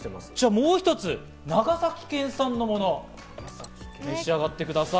もう一つ、長崎県産のものを召し上がってください。